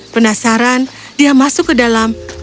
penasaran dia masuk ke dalam